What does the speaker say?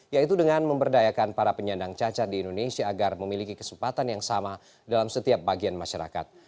yaitu dengan memberdayakan para penyandang cacat di indonesia agar memiliki kesempatan yang sama dalam setiap bagian masyarakat